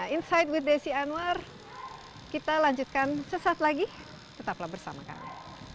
insight with desi anwar kita lanjutkan sesaat lagi tetaplah bersama kami